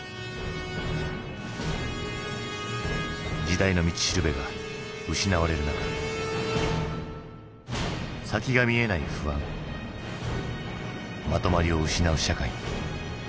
時代の道しるべが失われる中先が見えない不安まとまりを失う社会。